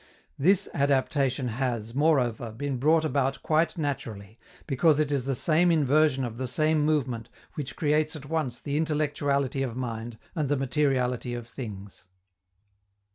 _This adaptation has, moreover, been brought about quite naturally, because it is the same inversion of the same movement which creates at once the intellectuality of mind and the materiality of things.